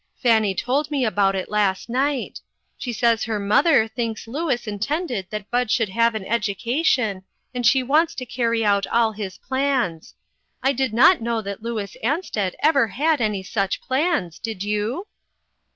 Fanny told me about it last night. She says her mother thinks Louis intended that Bud should have an education, and she wants to carry out all his plans. I did not know that Louis Ansted ever had any such plans, did you